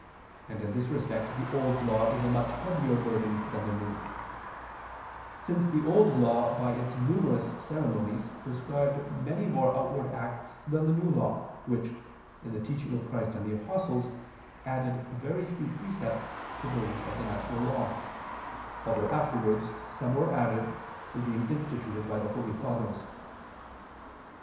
And in this respect the Old Law is a much heavier burden than the New: since the Old Law by its numerous ceremonies prescribed many more outward acts than the New Law, which, in the teaching of Christ and the apostles, added very few precepts to those of the natural law; although afterwards some were added, through being instituted by the holy Fathers.